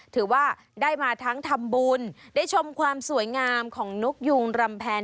ถือว่าได้มาทั้งทำบุญได้ชมความสวยงามของนกยูงรำแพง